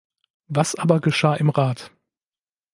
Was aber geschah im Rat?